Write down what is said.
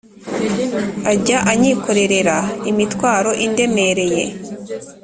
Ajya anyikorerera imitwaro indemereye